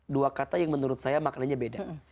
dua kata yang menurut saya maknanya beda